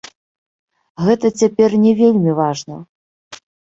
Гэта цяпер не вельмі важна.